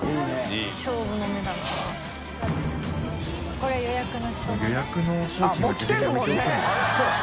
これ予約の人のね。